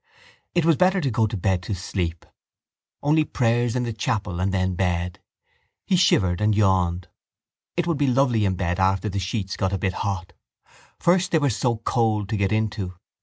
It was better to go to bed to sleep. Only prayers in the chapel and then bed. He shivered and yawned. It would be lovely in bed after the sheets got a bit hot. First they were so cold to get into.